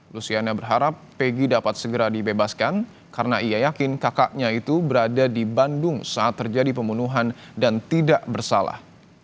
luciana berharap peggy dapat segera dibebaskan karena ia yakin kakaknya itu berada di bandung saat terjadi pembunuhan dan tidak bersalah